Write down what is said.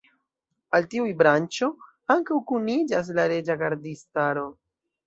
Al tiuj branĉo ankaŭ kuniĝas la Reĝa Gardistaro.